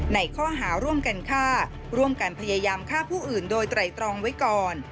ในข้อหาร่วมกันฆ่าร่วมกันพยายามฆ่าผู้อื่นโดยไตรตรองไว้ก่อน